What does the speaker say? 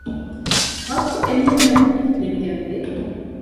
ޙައްޤު އެންމެނަށްމެ ލިބިގެންވޭ